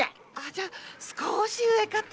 じゃすこし上かと。